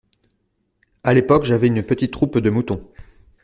À l’époque, j’avais une petite troupe de moutons.